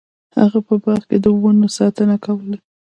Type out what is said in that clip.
هغه په باغ کې د ونو ساتنه کوله.